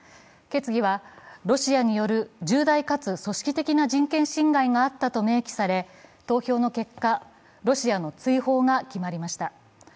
決議はロシアによる重大かつ組織的な人権侵害があったと明記され投票の結果、ロシアの追放が決まりました。